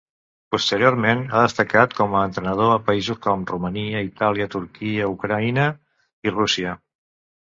Posteriorment ha destacat com a entrenador a països com Romania, Itàlia, Turquia, Ucraïna i Rússia.